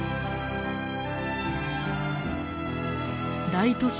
大都市